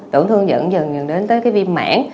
tổn thương dẫn dần dần đến tới cái viêm mãn